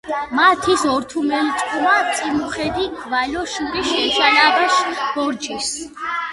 მა თის ორთუმელწკუმა წიმუხედი გვალო შურიშ ეშალაფაშ ბორჯის.